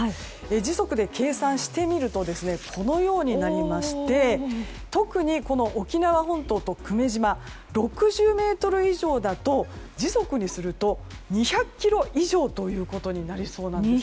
時速で計算してみるとこのようになりまして特に沖縄本島と久米島６０メートル以上だと時速にすると２００キロ以上ということになりそうでして。